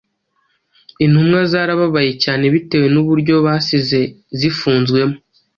Intumwa zarababaye cyane bitewe n’uburyo basize zifunzwemo,